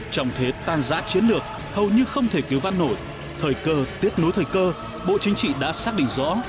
trong thế tan giã chiến lược hầu như không thể cứu văn nổi thời cơ tiếp nối thời cơ bộ chính trị đã xác định rõ